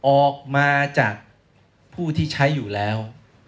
ออกมาจากผู้ที่ใช้อยู่แล้ว